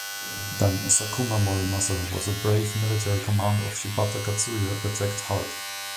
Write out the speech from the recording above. Then Sakuma Morimasa, who was a brave military commander of Shibata Katsuie, attacked hard.